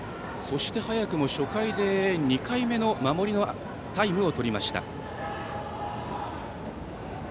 早くも初回で２回目の守りのタイムを取りました。